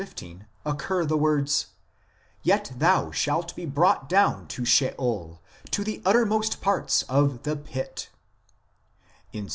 15 occur the words :" Yet thou shalt be brought down to Sheol, to the uttermost parts of the Pit (Bor) "; in Ps.